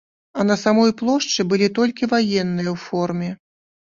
А на самой плошчы былі толькі ваенныя ў форме.